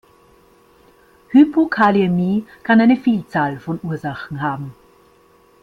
Hypokaliämie kann eine Vielzahl von Ursachen haben.